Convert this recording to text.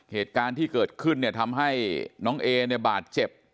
เหตุการณ์ที่เกิดขึ้นเนี่ยทำให้น้องเอเนี่ยบาดเจ็บ